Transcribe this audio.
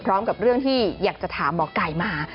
พร้อมกับเรื่องที่อยากจะถามหมอไก่มา